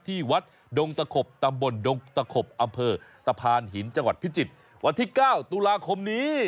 ที่วัดดงตะขบตำบลดงตะขบอำเภอตะพานหินจังหวัดพิจิตรวันที่๙ตุลาคมนี้